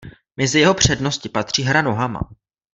Mezi jeho přednosti patří hra nohama.